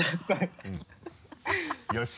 よし！